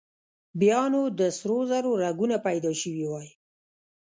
بيا نو د سرو زرو رګونه پيدا شوي وای.